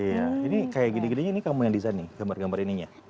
iya ini kayak gini gininya ini kamu yang design nih gambar gambar ini ya